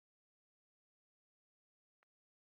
bagahindukira bakakwingingira bari muri icyo gihugu